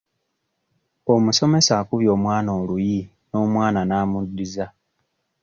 Omusomesa akubye omwana oluyi n'omwana n'amuddiza.